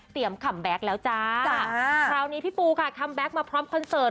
ขัมแบ็คแล้วจ้าคราวนี้พี่ปูค่ะคัมแบ็คมาพร้อมคอนเสิร์ต